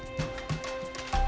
akan beri pandangan